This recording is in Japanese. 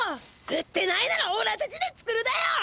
売ってないならおらたちで作るだよ！